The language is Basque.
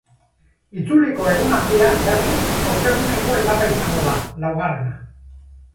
Itzuliko egun handia, berriz, osteguneko etapa izango da, laugarrena.